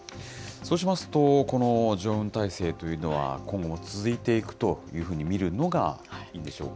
そうしますと、このジョンウン体制というのは今後も続いていくというふうに見るのがいいんでしょうか？